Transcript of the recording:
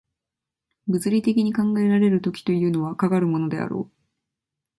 物理的に考えられる時というのは、かかるものであろう。